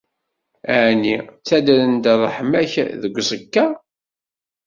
Ɛni ttadren-d ṛṛeḥma-k deg uẓekka?